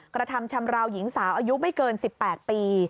กระทำชำราวหญิงสาวอายุไม่เกิน๑๘ปี